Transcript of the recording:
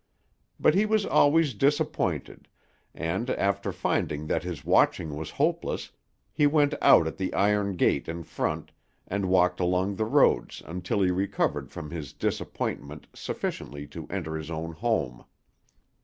But he was always disappointed; and, after finding that his watching was hopeless, he went out at the iron gate in front, and walked along the roads until he recovered from his disappointment sufficiently to enter his own home.